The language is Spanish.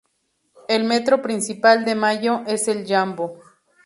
El metro principal de "Mayo" es el yambo.